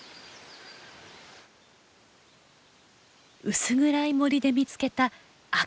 薄暗い森で見つけた赤い実。